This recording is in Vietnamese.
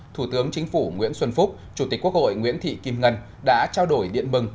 thủ tướng chính phủ nguyễn xuân phúc chủ tịch quốc hội nguyễn thị kim ngân đã trao đổi điện mừng